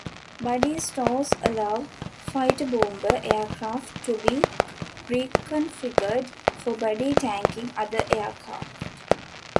Buddy stores allow fighterbomber aircraft to be reconfigured for "buddy tanking" other aircraft.